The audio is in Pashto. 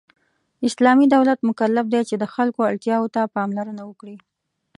اسلامی دولت مکلف دی چې د خلکو اړتیاوو ته پاملرنه وکړي .